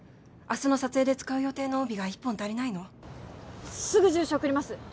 明日の撮影で使う予定の帯が一本足りないのすぐ住所送ります